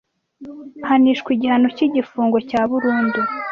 ahanishwa igihano cy igifungo cya burundu